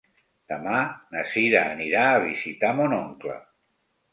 Demà na Cira anirà a visitar mon oncle.